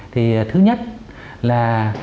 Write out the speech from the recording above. thứ nhất là